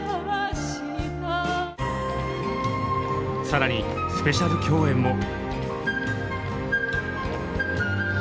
更にスペシャル共演も！